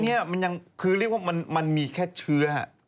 นี่มันยังคือเรียกว่ามันมีแค่เชื้อ